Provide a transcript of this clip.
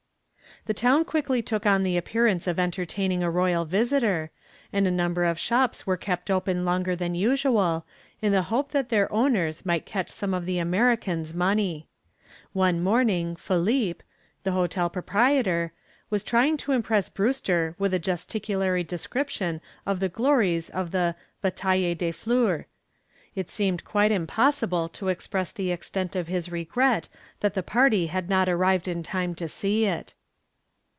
The town quickly took on the appearance of entertaining a royal visitor, and a number of shops were kept open longer than usual in the hope that their owners might catch some of the American's money. One morning Philippe, the hotel proprietor, was trying to impress Brewster with a gesticulatory description of the glories of the Bataille de Fleurs. It seemed quite impossible to express the extent of his regret that the party had not arrived in time to see it.